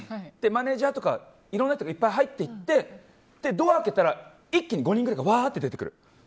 マネジャーとかいろいろな人がいっぱい入ってドアを開けたら一気に５人ぐらいがわーって出てくる。